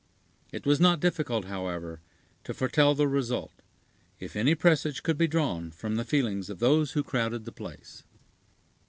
It was not difficult, however, to foretell the result, if any presage could be drawn from the feelings of those who crowded the place.